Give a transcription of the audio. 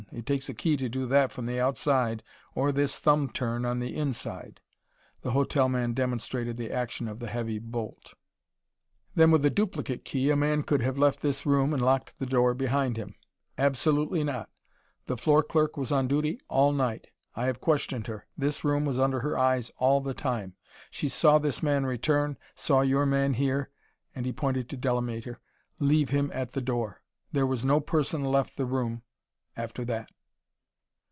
It takes a key to do that from the outside or this thumb turn on the inside." The hotel man demonstrated the action of the heavy bolt. "Then, with a duplicate key, a man could have left this room and locked the door behind him." "Absolutely not. The floor clerk was on duty all night. I have questioned her: this room was under her eyes all the time. She saw this man return, saw your man, here" and he pointed to Delamater "leave him at the door. There was no person left the room after that."